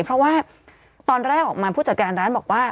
เพราะว่าตอนแรกออกมาผู้จัดการร้านบอกว่า